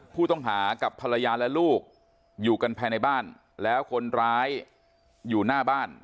ผู้ต้องหากับภรรยาและลูกอยู่กันภายในบ้านแล้วคนร้ายอยู่หน้าบ้าน